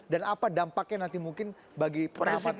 dan apa dampaknya mungkin bagi peta hapat tahapan